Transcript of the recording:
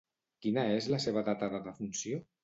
Quina és la seva data de defunció?